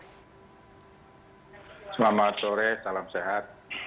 selamat sore salam sehat